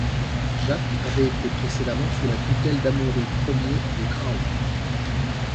Jacques avait été précédemment sous la tutelle d'Amaury Ier de Craon.